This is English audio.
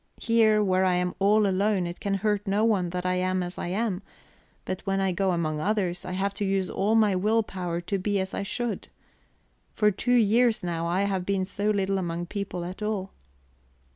Here, where I am all alone, it can hurt no one that I am as I am; but when I go among others, I have to use all my will power to be as I should. For two years now I have been so little among people at all..."